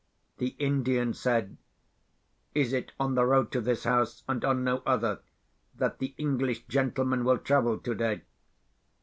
The Indian said, "Is it on the road to this house, and on no other, that the English gentleman will travel today?"